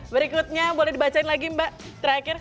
berikutnya boleh dibacain lagi mbak terakhir